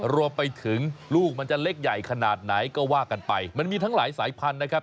รวมไปถึงลูกมันจะเล็กใหญ่ขนาดไหนก็ว่ากันไปมันมีทั้งหลายสายพันธุ์นะครับ